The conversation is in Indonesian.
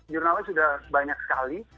jurnalnya sudah banyak sekali